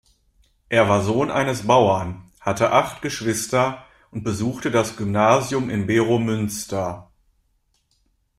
Er war Sohn eines Bauern, hatte acht Geschwister und besuchte das Gymnasium in Beromünster.